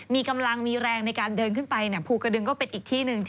มีกำลังมีแรงในการเดินขึ้นไปภูกระดึงก็เป็นอีกที่หนึ่ง